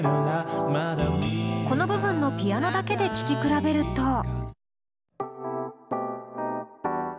この部分のピアノだけで聴き比べると。